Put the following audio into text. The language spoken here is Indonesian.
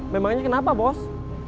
memangnya kenapa bos